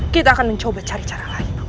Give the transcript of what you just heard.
kita akan mencoba cari cara lain